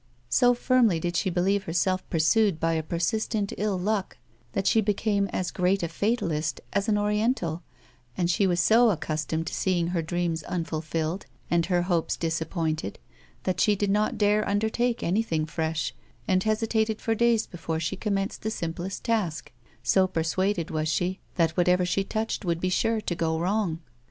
So firmly did she believe herself pursued by a persistent ill luck that she became as great a fatalist as an Oriental, and she was so accustomed to seeinc her dreams unfulfilled, and her hopes disappointed, that she did not dare undertake anything fresh, and hesitated for days before she commenced the simplest task, so persuaded was she that whatever she touched would be sure to go wrong.